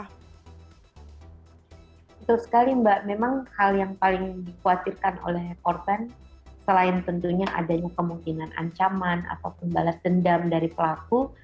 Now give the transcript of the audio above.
betul sekali mbak memang hal yang paling dikhawatirkan oleh korban selain tentunya adanya kemungkinan ancaman ataupun balas dendam dari pelaku